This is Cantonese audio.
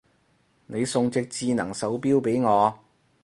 你送隻智能手錶俾我